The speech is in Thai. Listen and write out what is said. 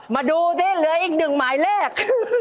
มาดูสิเหลืออีกหนึ่งหมายเลข